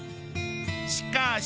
しかし。